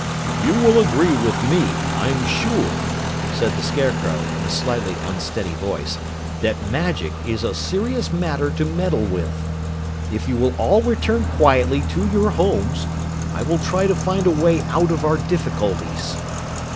"You will agree with me, I'm sure," said the Scarecrow in a slightly unsteady voice, "that magic is a serious matter to meddle with. If you will all return quietly to your homes, I will try to find a way out of our difficulties."